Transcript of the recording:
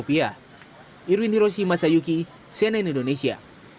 irwin hiroshi masayuki cnn indonesia